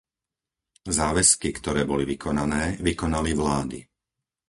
Záväzky, ktoré boli vykonané, vykonali vlády.